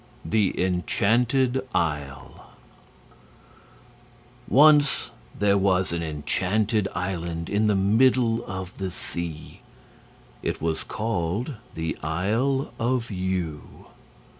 The Enchanted Isle Once there was an enchanted island in the middle of the sea. It was called the Isle of Yew.